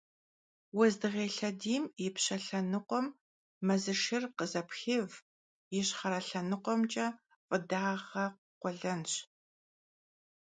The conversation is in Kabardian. Vuezdığêy lhediym yipşe lhenıkhuem mezışşır khızepxêv, yişxhere lhenıkhuemç'e f'ıd'ağe khuelenş.